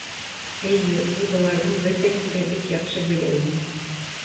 Эйе, ул быларҙың бөтәһен дә бик яҡшы белә ине.